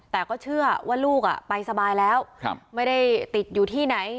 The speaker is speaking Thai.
แต่ก็เชื่อว่าลูกไปสบายแล้วไม่ได้ติดอยู่ที่ไหน